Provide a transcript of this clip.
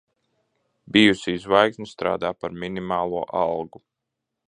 Bijusī zvaigzne strādā par minimālo algu.